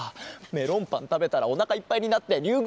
メロンパンたべたらおなかいっぱいになってりゅう